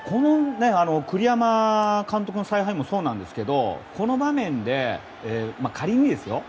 栗山監督の采配もそうなんですけどこの場面で仮にですよ。